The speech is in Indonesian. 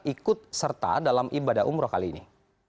ikut serta dalam ibadah umroh kali ini